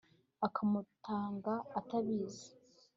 akamutanga atabizi)